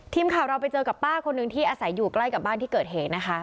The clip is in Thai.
ทีมข่าวเราไปเจอกับป้าคนหนึ่งที่อาศัยอยู่ใกล้กับบ้านที่เกิดเหตุนะคะ